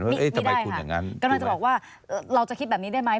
ไม่ได้ค่ะกำลังจะบอกว่าเราจะคิดแบบนี้ได้ไหม